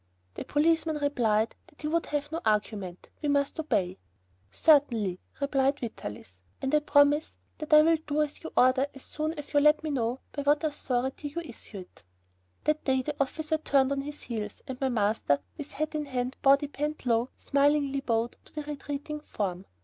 The policeman replied that he would have no argument. We must obey. "Certainly," replied Vitalis, "and I promise that I will do as you order as soon as you let me know by what authority you issue it." That day the officer turned on his heels, and my master, with hat in hand, body bent low, smilingly bowed to the retreating form.